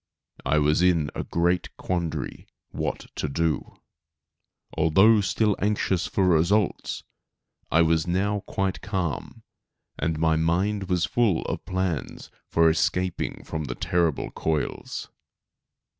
I was in a great quandary what to do. Although still anxious for results, I was now quite calm, and my mind was full of plans for escaping from the terrible coils.